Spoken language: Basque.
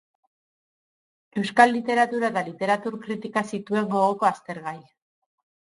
Euskal literatura eta literatur kritika zituen gogoko aztergai.